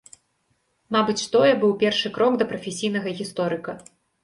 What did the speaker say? Мабыць, тое быў першы крок да прафесійнага гісторыка.